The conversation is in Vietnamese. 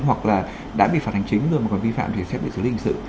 hoặc là đã bị phạt hành chính rồi mà còn vi phạm thì sẽ bị xử lý hình sự